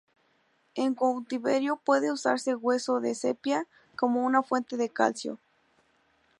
En cautiverio puede usarse hueso de sepia como una fuente de calcio.